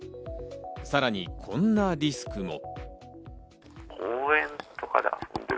さらに、こんなリスクも。